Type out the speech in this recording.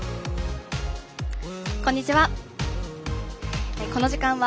こんにちは。